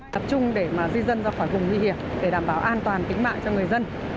tập trung để di dân ra khỏi vùng nguy hiểm để đảm bảo an toàn tính mạng cho người dân